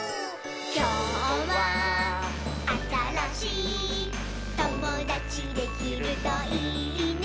「きょうはあたらしいともだちできるといいね」